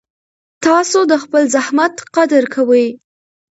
تاسو د خپل زحمت قدر کوئ.